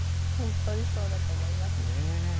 本当にそうだと思います。